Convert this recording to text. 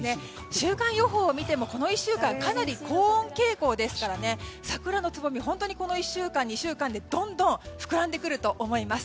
週間予報を見てもかなり高温傾向ですので桜のつぼみ、本当にこの１週間、２週間で膨らんでくると思います。